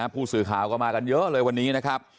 ผู้สื่อข่าวก็มากันเยอะเลยวันนี้นะครับ